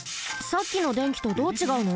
さっきの電気とどうちがうの？